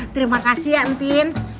terima kasih ya tin